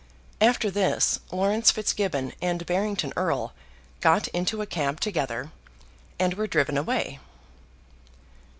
After this Laurence Fitzgibbon and Barrington Erle got into a cab together, and were driven away.